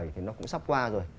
thì nó cũng sắp qua rồi